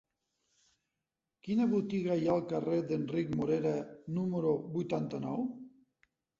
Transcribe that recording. Quina botiga hi ha al carrer d'Enric Morera número vuitanta-nou?